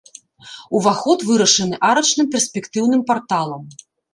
Уваход вырашаны арачным перспектыўным парталам.